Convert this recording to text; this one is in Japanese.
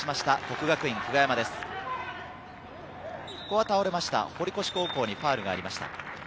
ここは倒れました、堀越高校にファウルがありました。